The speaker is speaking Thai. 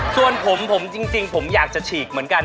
ส่วนผมผมจริงผมอยากจะฉีกเหมือนกัน